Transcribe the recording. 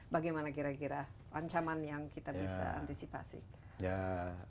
bagaimana kira kira ancaman yang kita bisa antisipasi